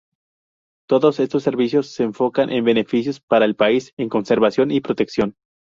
Todos estos servicios se enfocan en beneficios para el país en conservación y protección.